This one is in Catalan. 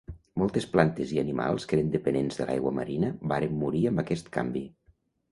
Moltes plantes i animals que eren dependents de l'aigua marina varen morir amb aquest canvi.